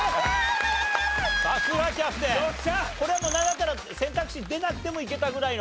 これはなんだったら選択肢出なくてもいけたぐらいの。